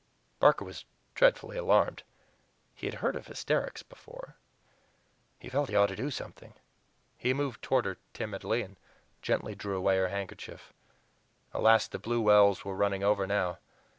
Barker was dreadfully alarmed. He had heard of hysterics before. He felt he ought to do something. He moved toward her timidly, and gently drew away her handkerchief. Alas! the blue wells were running over now.